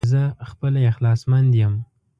زه خپله اخلاص مند يم